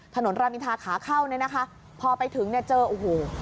ถนนรามินทาขาเข้าเนี่ยนะคะพอไปถึงเนี่ยเจอโอ้โห